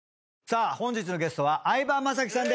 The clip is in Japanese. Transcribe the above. さあ本日のゲストは相葉雅紀さん